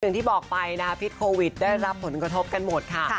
อย่างที่บอกไปนะคะพิษโควิดได้รับผลกระทบกันหมดค่ะ